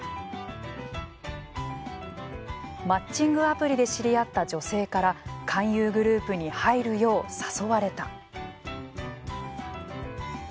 マッチングアプリで知り合った女性から勧誘グループに入るよう誘われた。